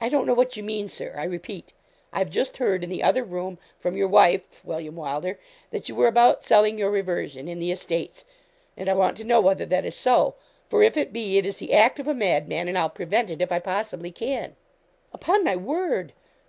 'I don't know what you mean, Sir, I repeat. I've just heard, in the other room, from your wife, William Wylder, that you were about selling your reversion in the estates, and I want to know whether that is so; for if it be, it is the act of a madman, and I'll prevent it, if I possibly can.' 'Upon my word!